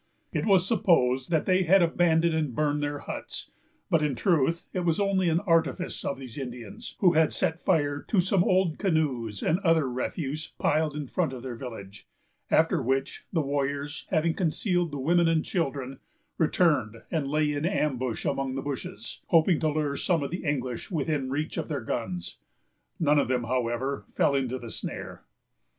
It was supposed that they had abandoned and burned their huts; but in truth, it was only an artifice of these Indians, who had set fire to some old canoes and other refuse piled in front of their village, after which the warriors, having concealed the women and children, returned and lay in ambush among the bushes, hoping to lure some of the English within reach of their guns. None of them, however, fell into the snare.